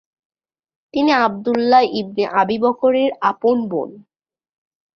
তিনি Abdullah ibn Abi বকরের আপন বোন।